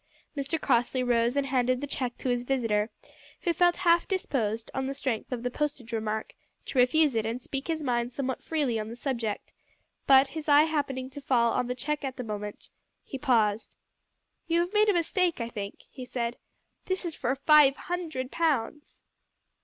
Mr Crossley rose and handed the cheque to his visitor, who felt half disposed on the strength of the postage remark to refuse it and speak his mind somewhat freely on the subject, but, his eye happening to fall on the cheque at the moment, he paused. "You have made a mistake, I think," he said. "This is for five hundred pounds."